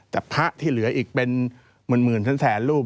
แต่พระที่เหลืออีกเป็นหมื่นแสนรูป